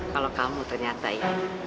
kalau kamu ternyata ya